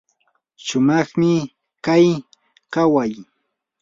shumaqmi kay kaway.